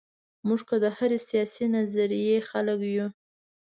موږ که د هرې سیاسي نظریې خلک یو.